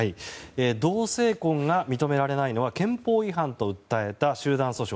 同性婚が認められないのは憲法違反と訴えた集団訴訟。